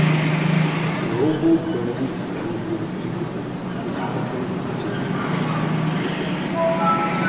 Smlouvou projevují strany vůli zřídit mezi sebou závazek a řídit se obsahem smlouvy.